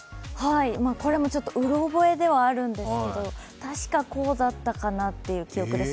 これもちょっとうろ覚えではあるんですけれども、確かこうだったかなという記憶です。